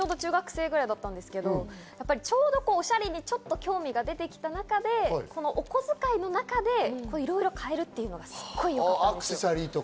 ちょうど中学生くらいだったんですけど、ちょうどおしゃれにちょっと興味が出てきた時で、お小遣いの中でいろいろ買えるっていうのがすごいよかった。